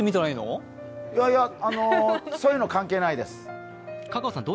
いやいや、そういうの関係ないです。